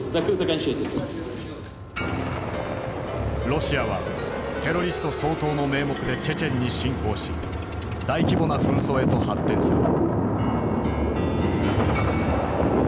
ロシアはテロリスト掃討の名目でチェチェンに侵攻し大規模な紛争へと発展する。